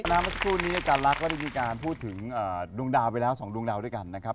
เมื่อสักครู่นี้อาจารย์ลักษณ์ก็ได้มีการพูดถึงดวงดาวไปแล้ว๒ดวงดาวด้วยกันนะครับ